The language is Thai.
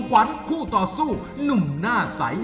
ขอบคุณนะ